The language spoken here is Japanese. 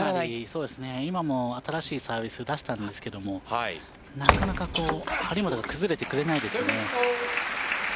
そうですね、今も新しいサービス出したんですけどなかなか張本が崩れてくれないです。